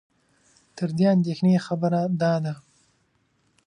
تر دې اندېښنې خبره دا ده